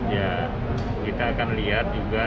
ya kita akan lihat juga